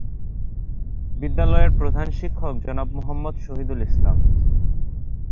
বিদ্যালয়ের প্রধান শিক্ষক জনাব মোহাম্মদ শহিদুল ইসলাম।